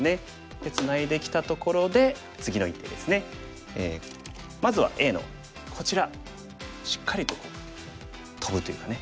でツナいできたところで次の一手ですね。まずはＡのこちらしっかりとトブというかね。